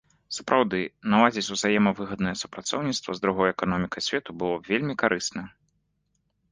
Сапраўды, наладзіць узаемавыгаднае супрацоўніцтва з другой эканомікай свету было б вельмі карысна.